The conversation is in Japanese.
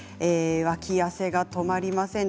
脇汗が止まりません